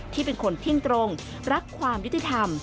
ที่เป็นคนเที่ยงตรงรักความยุติธรรม